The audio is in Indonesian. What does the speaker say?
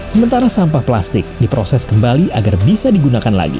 sementara sampah plastik diproses kembali agar bisa digunakan lagi